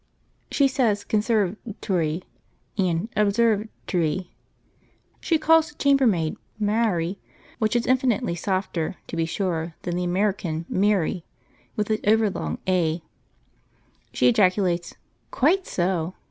She says 'conserv't'ry' and 'observ't'ry'; she calls the chambermaid 'Mairy,' which is infinitely softer, to be sure, than the American 'Mary,' with its over long a; she ejaculates 'Quite so!'